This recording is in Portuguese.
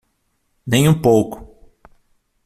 Nem um pouco.